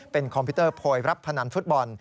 เป็นคอมพิวเตอร์โพยรับพนันฟุตบอล